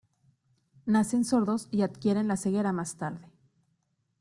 Nacen sordos y adquieren la ceguera más tarde.